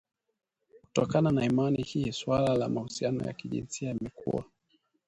Kutokana na imani hii suala la mahusiano ya kijinsia yamekuwa